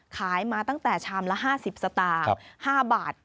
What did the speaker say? ขายมาตั้งแต่ชามละ๕๐สตางค์๕บาท